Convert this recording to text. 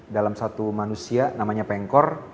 dalam satu manusia namanya pengkor